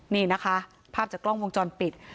นี่นะคะภาพจากกล้องวงจรปิด